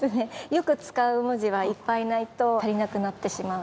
よく使う文字はいっぱいないと足りなくなってしまうので。